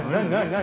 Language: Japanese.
何？